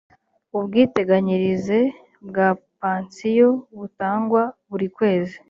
ubwiteganyirize bwa pansiyo butangwa buri kwezi